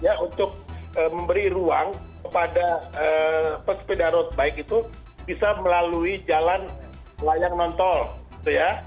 ya untuk memberi ruang kepada pesepeda road bike itu bisa melalui jalan layang nontol gitu ya